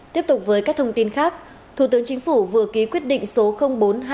tiếp tục với các thông tin khác thủ tướng chính phủ vừa ký quyết định số bốn